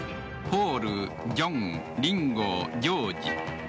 ポール、ジョンリンゴ、ジョージ。